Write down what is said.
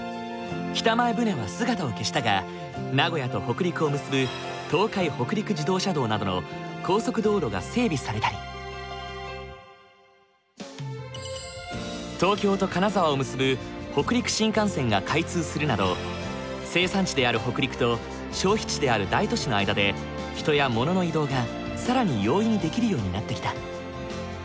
北前船は姿を消したが名古屋と北陸を結ぶ東海北陸自動車道などの高速道路が整備されたり東京と金沢を結ぶ北陸新幹線が開通するなど生産地である北陸と消費地である大都市の間で人や物の移動が更に容易にできるようになってきた。